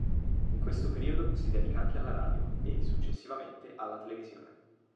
In questo periodo, si dedica anche alla radio e, successivamente, alla televisione.